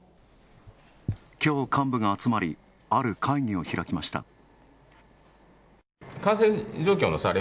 きょう幹部が集まり、ある会議を開きました。